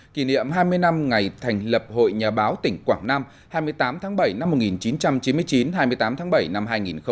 kỷ niệm hai mươi năm ngày thành lập hội nhà báo tỉnh quảng nam hai mươi tám tháng bảy năm một nghìn chín trăm chín mươi chín hai mươi tám tháng bảy năm hai nghìn một mươi chín